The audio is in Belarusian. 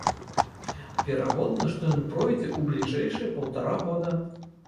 Верагодна, што ён пройдзе ў бліжэйшыя паўтара года.